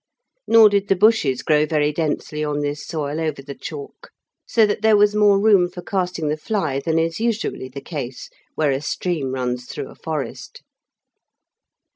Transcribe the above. Nor did the bushes grow very densely on this soil over the chalk, so that there was more room for casting the fly than is usually the case where a stream runs through a forest.